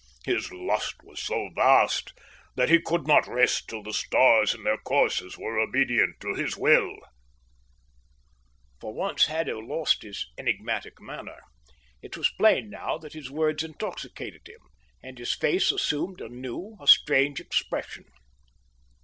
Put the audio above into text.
His lust was so vast that he could not rest till the stars in their courses were obedient to his will." For once Haddo lost his enigmatic manner. It was plain now that his words intoxicated him, and his face assumed a new, a strange, expression.